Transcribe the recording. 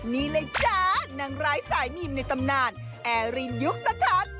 นี่เลยจ้านางร้ายสายมีมในตำนานแอร์รินยุคสะท็อต